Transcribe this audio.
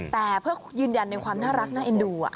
แต่เพื่อยืนยันในความน่ารักน่าเอ็นดู